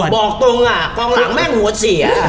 บอกตรงกองหลังแม่งหัวเสีย